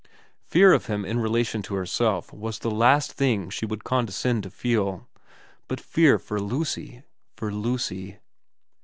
Fear of him in relation to herself was the last thing she would condescend to feel, but fear for Lucy for Lucy.